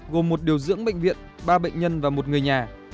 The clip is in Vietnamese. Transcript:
gồm một điều dưỡng bệnh viện ba bệnh nhân và một người nhà